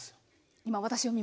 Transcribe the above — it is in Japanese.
今私を見ましたね。